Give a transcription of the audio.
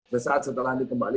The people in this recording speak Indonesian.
sesaat setelah andi kembali